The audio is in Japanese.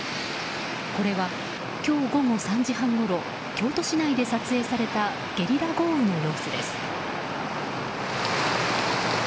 これは今日午後３時半ごろ京都市内で撮影されたゲリラ豪雨の様子です。